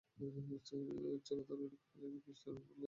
জগত্তারিণী কহিলেন, ক্রিশ্চান হবার কথা কী বলছে ওরা?